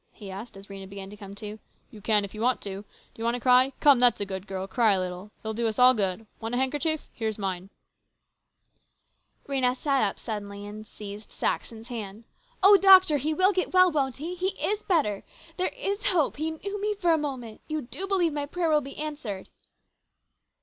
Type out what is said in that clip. he asked as Rhena began to come to. " You can, if you want to. Do you want to cry ? Come, that's a good girl ! Cry a little. It'll do us all good. Want a handkerchief? Here's mine." THE CONFERENCE. 241 Rhena sat up suddenly and seized Saxon's hand. " Oh, doctor, he will get well, won't he ? He is better ? There is hope ? He knew me for a moment ! You do believe my prayer will be answered